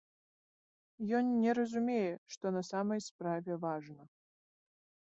Ён не разумее, што на самай справе важна.